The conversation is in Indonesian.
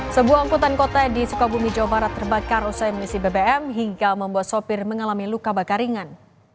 sebuah angkutan kota di sukabumi jawa barat terbakar usai misi bbm hingga membuat sopir mengalami luka bakar ringan